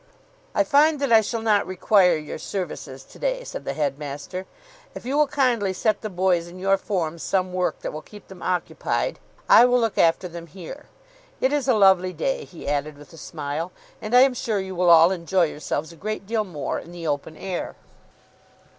"I find that I shall not require your services to day," said the headmaster. "If you will kindly set the boys in your forms some work that will keep them occupied, I will look after them here. It is a lovely day," he added, with a smile, "and I am sure you will all enjoy yourselves a great deal more in the open air."